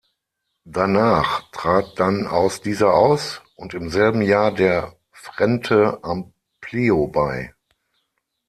Danach trat dann aus dieser aus und im selben Jahr der Frente Amplio bei.